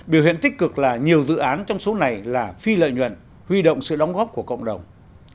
biểu hiện tích cực là nhiều dự án trong số này là phi lợi nhuận huy động sự đóng góp của cộng đồng